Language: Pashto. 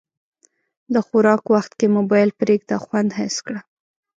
د خوراک وخت کې موبایل پرېږده، خوند حس کړه.